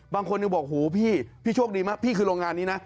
บางคนยังบอกหูพี่พี่โชคดีมากพี่คือโรงงานนี้นะ